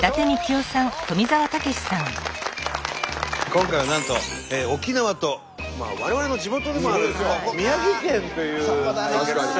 今回はなんと沖縄と我々の地元でもある宮城県という。